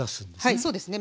はいそうですね。